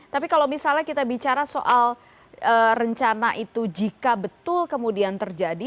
tapi kalau misalnya kita bicara soal rencana itu jika betul kemudian terjadi